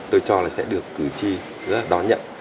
tôi cho là sẽ được cử tri rất là đón nhận